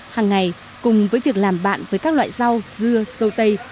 hàng ngày cùng với việc làm bạn với các loại rau dưa dâu tây